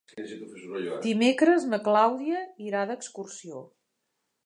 Dimecres na Clàudia irà d'excursió.